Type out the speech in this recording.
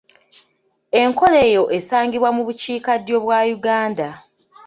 Enkola eyo esangibwa mu bukiikaddyo bwa Uganda.